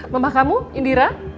mama kamu indira